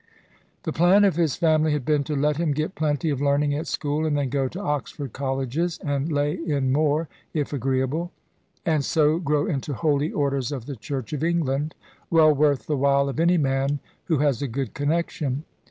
The plan of his family had been to let him get plenty of learning at school, and then go to Oxford Colleges and lay in more, if agreeable; and so grow into holy orders of the Church of England, well worth the while of any man who has a good connection.